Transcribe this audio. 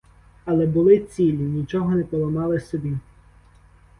Але були цілі, нічого не поламали собі.